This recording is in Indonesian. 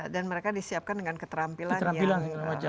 dan mereka disiapkan dengan keterampilan yang